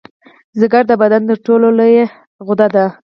ځیګر د بدن تر ټولو لویه غده ده